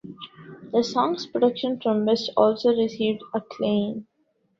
The song's production from West also received acclaim.